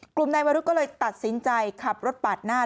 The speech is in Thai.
กลุ่มนายวรุธก็เลยตัดสินใจขับรถปาดหน้า